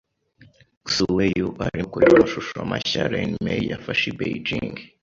Xueyou arimo kureba amashusho mashya Renmei yafashe i Beijing.